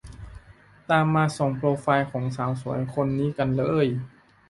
ตามมาส่องโปรไฟล์ของสาวสวยคนนี้กันเลย